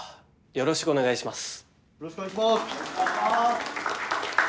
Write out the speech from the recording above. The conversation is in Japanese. よろしくお願いします